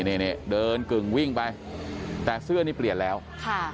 นี่นี่เดินกึ่งวิ่งไปแต่เสื้อนี่เปลี่ยนแล้วค่ะ